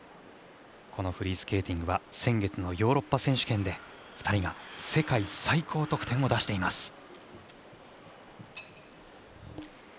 このフリースケーティングは先月のヨーロッパ選手権で２人が世界最高得点を出しています。